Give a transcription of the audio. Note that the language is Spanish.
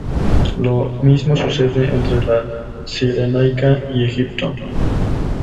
Lo mismo sucede entre la Cirenaica y Egipto.